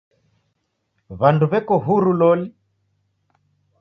W'and w'eko huru loli?